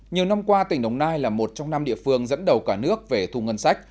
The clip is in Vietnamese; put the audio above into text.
nhiều năm qua tỉnh đồng nai là một trong năm địa phương dẫn đầu cả nước về thu ngân sách